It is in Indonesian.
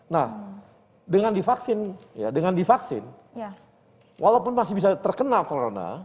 nah dengan divaksin walaupun masih bisa terkena corona